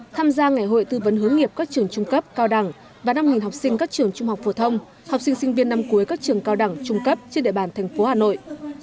tham gia ngày hội tư vấn hướng nghiệp các trường trung cấp cao đẳng và năm học sinh các trường trung học phổ thông học sinh sinh viên năm cuối các trường cao đẳng trung cấp trên địa bàn thành phố hà nội